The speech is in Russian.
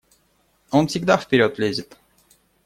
Он всегда вперед лезет.